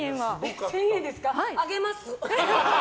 １０００円ですか、あげます。